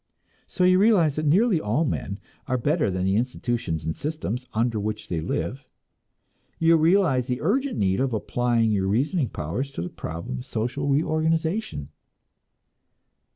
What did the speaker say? So you realize that nearly all men are better than the institutions and systems under which they live; you realize the urgent need of applying your reasoning powers to the problem of social reorganization.